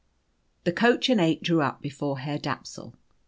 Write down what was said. The coach and eight drew up before Herr Dapsul.